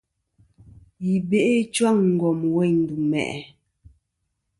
Yi be'i ɨchwaŋ i ngom weyn ndu mà'i.